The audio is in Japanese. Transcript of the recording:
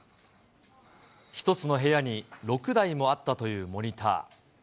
１つの部屋に６台もあったというモニター。